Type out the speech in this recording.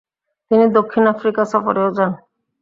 তিনি দক্ষিণ আফ্রিকা সফরেও যান।